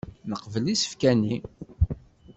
Neqbel isefka-nni.